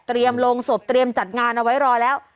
โรงศพเตรียมจัดงานเอาไว้รอแล้ว